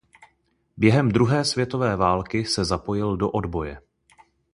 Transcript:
Během druhé světové války se zapojil do odboje.